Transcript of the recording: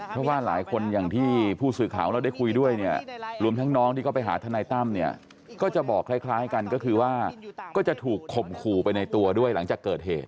เพราะว่าหลายคนอย่างที่ผู้สื่อข่าวเราได้คุยด้วยเนี่ยรวมทั้งน้องที่เขาไปหาทนายตั้มเนี่ยก็จะบอกคล้ายกันก็คือว่าก็จะถูกข่มขู่ไปในตัวด้วยหลังจากเกิดเหตุ